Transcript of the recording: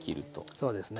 そうですね。